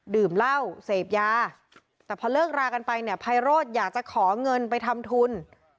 ดื่มเหล้าเสพยาแต่พอเลิกรากันไปเนี่ยไพโรธอยากจะขอเงินไปทำทุน